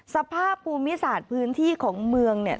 สภาพภูมิศาสตร์พื้นที่ของเมืองเนี่ย